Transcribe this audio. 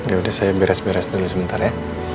ya udah saya beres beres dulu sebentar ya